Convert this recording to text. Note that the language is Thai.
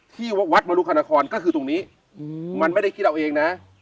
ที่วัดมรุคณครก็คือตรงนี้มันไม่ได้คิดเอาเองนะ